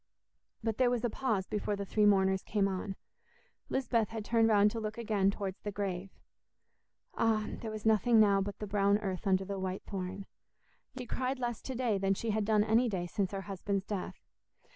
But there was a pause before the three mourners came on: Lisbeth had turned round to look again towards the grave! Ah! There was nothing now but the brown earth under the white thorn. Yet she cried less to day than she had done any day since her husband's death.